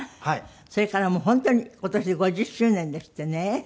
それからもう本当に今年で５０周年ですってね。